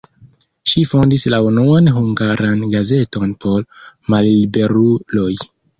Ŝi fondis la unuan hungaran gazeton por malliberuloj.